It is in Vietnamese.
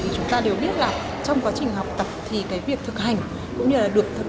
chúng ta đều biết là trong quá trình học tập thì việc thực hành cũng như được tham gia thực tế